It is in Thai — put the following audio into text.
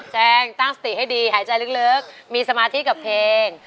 แจ้งตั้งสติให้ดีหายใจลึกมีสมาธิกับเพลง